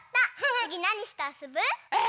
つぎなにしてあそぶ？